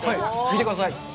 見てください。